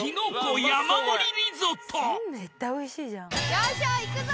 よいしょいくぞ！